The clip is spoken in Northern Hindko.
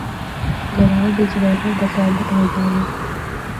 گراں دے جواناں دا ٹیلنٹ ہوندا وے۔